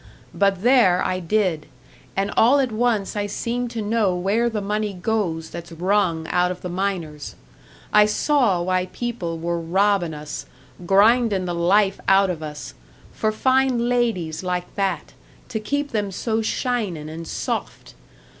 But there I did and all at once I seemed to know where the money goes that's wrung out of the miners. I saw why people were robbin' us, grindin' the life out of us for fine ladies like that, to keep them so shinin' and soft!